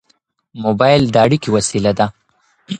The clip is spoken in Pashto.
موبایل د اړیکې وسیله ده.